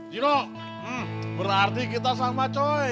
jilo berarti kita sama coy